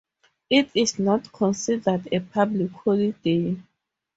It is not considered a public holiday.